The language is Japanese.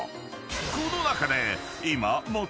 ［この中で今］